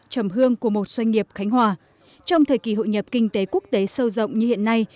trong thời kỳ hội nhập kinh tế quốc tế sâu rộng như hiện nay